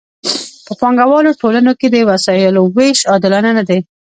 په پانګوالو ټولنو کې د وسایلو ویش عادلانه نه دی.